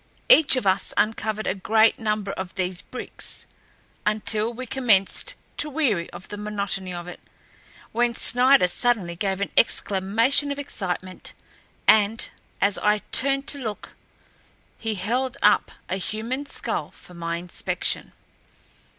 Each of us uncovered a great number of these bricks, until we commenced to weary of the monotony of it, when Snider suddenly gave an exclamation of excitement, and, as I turned to look, he held up a human skull for my inspection.